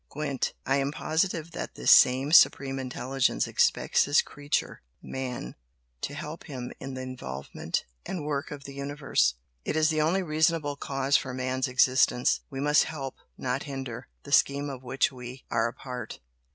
Gwent, I am positive that this same Supreme Intelligence expects his creature, Man, to help Him in the evolvement and work of the Universe! It is the only reasonable cause for Man's existence. We must help, not hinder, the scheme of which we are a part.